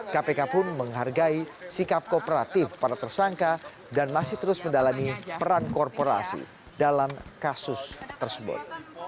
kpk pun menghargai sikap kooperatif para tersangka dan masih terus mendalami peran korporasi dalam kasus tersebut